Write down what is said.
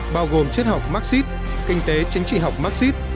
bao gồm chất học marxist kinh tế chính trị học marxist